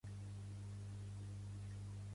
Posa la cançó "Si et quedes amb mi" que m'agrada